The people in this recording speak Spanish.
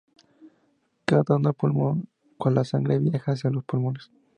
Por cada pulmón, cual la sangre viaja hacia los pulmones.